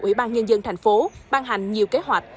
ủy ban nhân dân thành phố ban hành nhiều kế hoạch